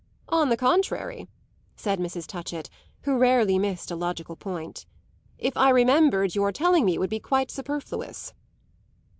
"On the contrary," said Mrs. Touchett, who rarely missed a logical point; "if I remembered your telling me would be quite superfluous."